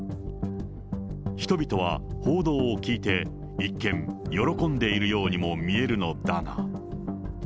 人々は報道を聞いて、一見、喜んでいるようにも見えるのだが。